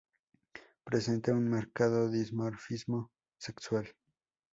Presenta un marcado dimorfismo sexual.